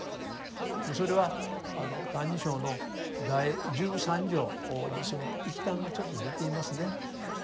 でそれは「歎異抄」の第十三条にその一端がちょっと出ていますね。